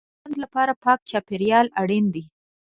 د ژوند لپاره پاک چاپېریال اړین دی.